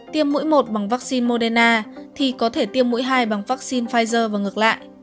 tiêm mũi một bằng vaccine moderna thì có thể tiêm mũi hai bằng vaccine pfizer và ngược lại